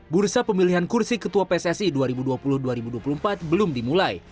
bursa pemilihan kursi ketua pssi dua ribu dua puluh dua ribu dua puluh empat belum dimulai